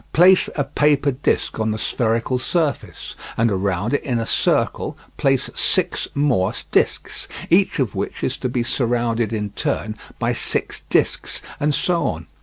Place a paper disc on the spherical surface, and around it in a circle place six more discs, each of which is to be surrounded in turn by six discs, and so on.